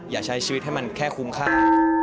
อย่าใช้ชีวิตให้มันแค่คุ้มค่า